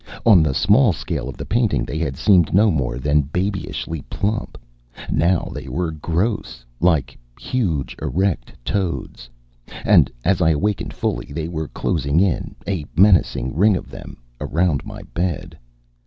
On the small scale of the painting they had seemed no more than babyishly plump; now they were gross, like huge erect toads. And, as I awakened fully, they were closing in, a menacing ring of them, around my bed.